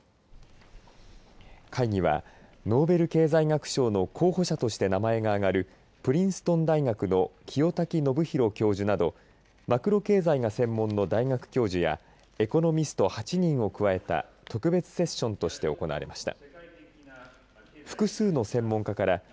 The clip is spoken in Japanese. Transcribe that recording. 会議は、ノーベル経済学賞の候補者として名前が挙がるプリンストン大学の清滝信宏教授などマクロ経済が専門の大学教授やエコノミスト８人を加えた特別セッションとして行われました。